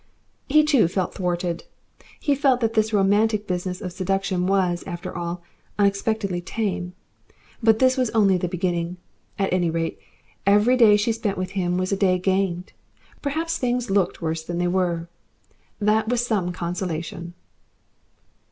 He, too, felt thwarted. He felt that this romantic business of seduction was, after all, unexpectedly tame. But this was only the beginning. At any rate, every day she spent with him was a day gained. Perhaps things looked worse than they were; that was some consolation.